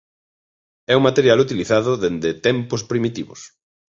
É un material utilizado dende tempos primitivos.